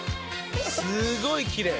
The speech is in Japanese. すごいきれい！